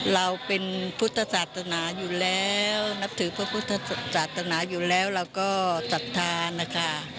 เราเป็นพุทธศาสนาอยู่แล้วนับถือพระพุทธศาสนาอยู่แล้วเราก็ศรัทธานะคะ